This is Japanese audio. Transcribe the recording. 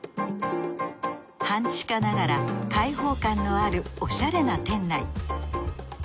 半地下ながら開放感のあるおしゃれな店内。